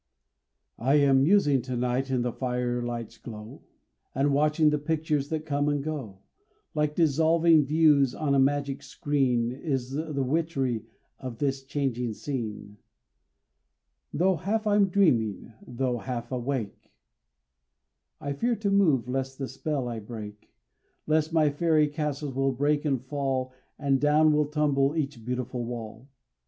I am musing to night in the fire light's glow, And watching the pictures that come and go; Like dissolving views on a magic screen Is the witchery of this changing scene; Though half I'm dreaming, though half awake, I fear to move lest the spell I break, Lest my fairy castles will break and fall, And down will tumble each beautiful wall.